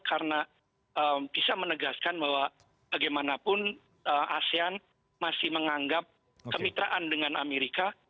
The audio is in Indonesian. karena bisa menegaskan bahwa bagaimanapun asean masih menganggap kemitraan dengan amerika